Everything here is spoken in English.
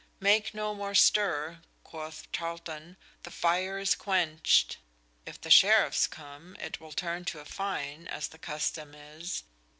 Make no more stirre, quoth Tarlton, the fire is quenched: if the sheriffes come, it will turne to a fine, as the custome is.